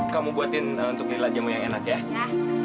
kamu buatin untuk nilai jamu yang enak ya